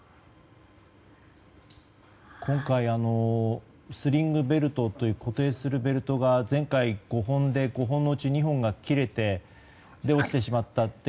今回、スリングベルトという固定するベルトが前回５本で５本のうち２本が切れて落ちてしまったと。